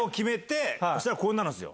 そしたらこうなるんですよ。